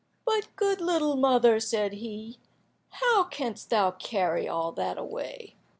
"But, good little mother," said he, "how canst thou carry all that away?"